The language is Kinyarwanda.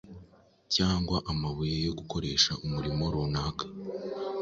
cyangwa amabuye yo gukoresha umurimo runaka.